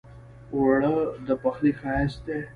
اوړه د پخلي ښايست دی